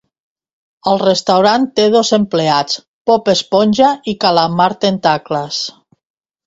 El restaurant té dos empleats: Bob Esponja i Calamard Tentacles.